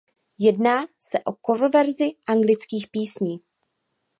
Jedná se o coververze anglických písní.